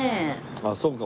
あっそっか。